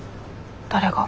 誰が？